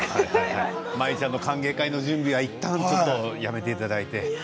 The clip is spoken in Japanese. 舞ちゃんの歓迎会の準備はいったんやめていただいて。